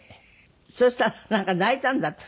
そうしたらなんか泣いたんだって？